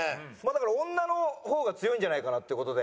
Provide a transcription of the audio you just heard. だから女の方が強いんじゃないかなっていう事で。